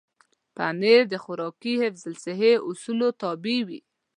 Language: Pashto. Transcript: پنېر د خوراکي حفظ الصحې اصولو تابع وي.